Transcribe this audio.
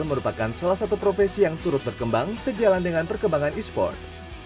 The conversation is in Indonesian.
merupakan salah satu profesi yang turut berkembang sejalan dengan perkembangan e sport